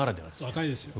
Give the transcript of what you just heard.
若いですね。